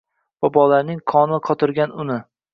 Bobolarning qoni qotirgan uni